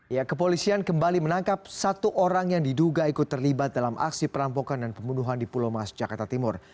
ya kepolisian kembali menangkap satu orang yang diduga ikut terlibat dalam aksi perampokan dan pembunuhan di pulau mas jakarta timur